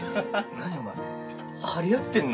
何お前張り合ってんの？